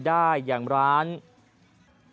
จำนวนนักท่องเที่ยวที่เดินทางมาพักผ่อนเพิ่มขึ้นในปีนี้